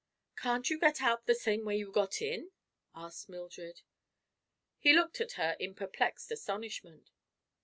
"Can't you get out the same way you got in?" asked Mildred. He looked at her in perplexed astonishment.